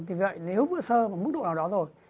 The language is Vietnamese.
thì vậy nếu vữa sơ vào mức độ nào đó rồi